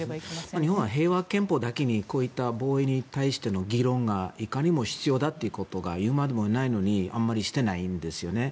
日本は平和憲法だけにこういった防衛に対しての議論がいかにも必要だということが言うまでもないのにあまりしていないんですよね。